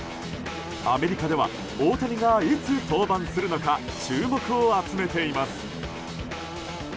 アメリカでは大谷がいつ登板するのか注目を集めています。